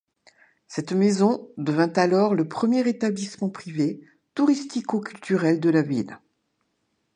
Cette maison devint alors le premier établissement privé touristico-culturel de la ville.